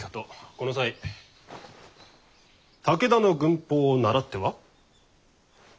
この際武田の軍法を倣っては？